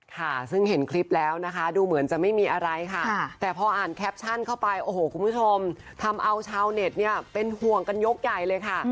ค่ะซึ่งเห็นคลิปแล้วนะคะดูเหมือนจะไม่มีอะไรค่ะแต่พออ่านแคปชั่นเข้าไปโอ้โหคุณผู้ชมทำเอาชาวเน็ตเนี่ยเป็นห่วงกันยกใหญ่เลยค่ะ